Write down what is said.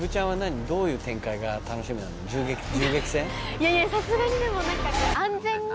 いやいやさすがにでもなんか。